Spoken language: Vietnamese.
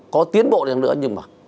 có tiến bộ nào nữa nhưng mà